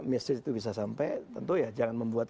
mistis itu bisa sampai tentu ya jangan membuat